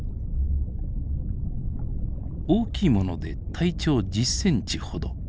大きいもので体長１０ｃｍほど。